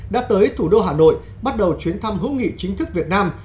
đã tới thủ đô hà nội bắt đầu chuyến thăm hữu nghị chính thức việt nam